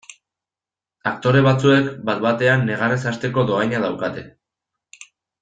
Aktore batzuek bat batean negarrez hasteko dohaina daukate.